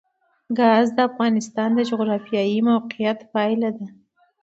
ګاز د افغانستان د جغرافیایي موقیعت پایله ده.